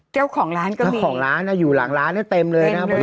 แก้วของร้านก็มีแก้วของร้านอ่ะอยู่หลังร้านน่ะเต็มเลยนะเต็มเลยใช่ไหม